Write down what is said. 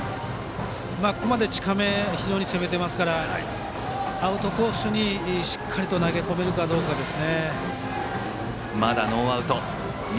ここまで近め攻めていますからアウトコースにしっかり投げ込めるかです。